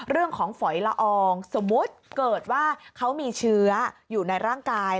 ฝอยละอองสมมุติเกิดว่าเขามีเชื้ออยู่ในร่างกาย